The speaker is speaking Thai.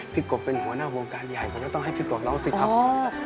กบเป็นหัวหน้าวงการใหญ่ผมก็ต้องให้พี่กบร้องสิครับ